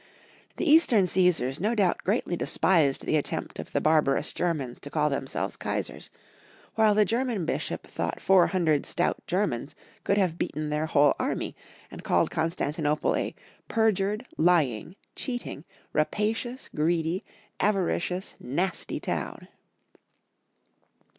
The Eastern Caesars no doubt greatly despised the attempt of the barba 93 94 Young Folks* History of Qermany. rous Germans to cajl themselves Kaisars, while the German Bishop thought 400 stout Germans could have beaten their whole army, and called Constan tinople a "perjured, lying, cheating, rapacious, greedy, avaricious, nasty town."